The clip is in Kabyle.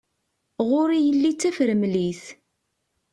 Ɣur-i yelli d tafremlit.